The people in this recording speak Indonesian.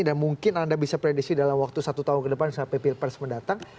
dan mungkin anda bisa predisi dalam waktu satu tahun ke depan sampai pprs mendatang